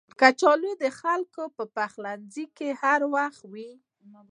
کچالو د خلکو په پخلنځي کې هر وخت وي